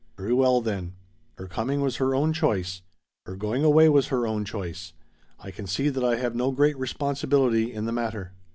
"Very well then. Her coming was her own choice. Her going away was her own choice. I can see that I have no great responsibility in the matter."